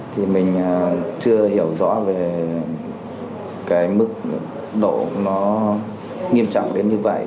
thì mình chưa hiểu rõ về cái mức độ nó nghiêm trọng đến như vậy